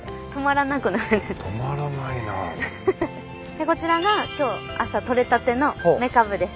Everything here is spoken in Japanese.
でこちらが今日朝取れたてのめかぶです。